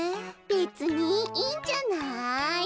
べつにいいんじゃない。